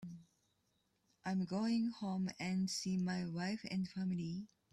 I'm going home and see my wife and family.